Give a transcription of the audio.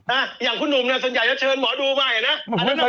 อ่าอย่างคุณหนุ่มน่ะส่วนใหญ่เขาเชิญหมอดูไว้นะ